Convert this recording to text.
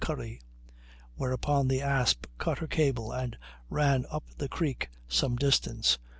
Curry; whereupon the Asp cut her cable and ran up the creek some distance.